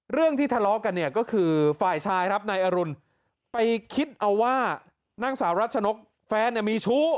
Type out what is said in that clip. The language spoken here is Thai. เรื่องที่ทะเลาะกันเนี่ยก็คือฝ่ายชายครับนายอรุณไปคิดเอาว่านางสาวรัชนกแฟนเนี่ยมีชู้